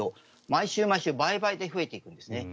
毎週毎週倍々で増えていくんですね。